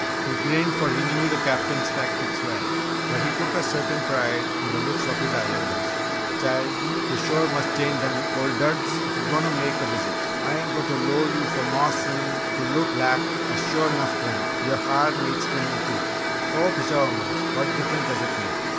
He grinned for he knew the Captain's tactics well. But he took a certain pride in the looks of his Islanders. "Chile, yo' sure mus' change dem old duds ef yo' goin' to mek a visit! Ah ain't goin' t' low you' Maw's son t' look lak a sure 'nough tramp! Yo' ha'r needs trimmin', too!" "Oh pshaw, Mose, what difference does it make?